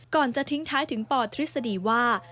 ก่อนจะทิ้งท้ายถึงปทฤษฎีว่า